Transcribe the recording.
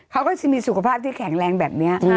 เขาก็จะมีสุขภาพที่แข็งแรงแบบนี้